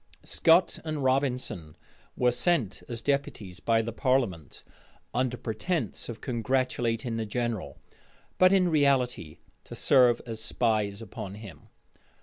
Scot and Robinson were sent as deputies by the parliament, under pretence of congratulating the general, but in reality to serve as spies upon him.